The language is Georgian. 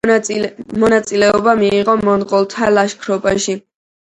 მონაწილეობა მიიღო მონღოლთა ლაშქრობაში.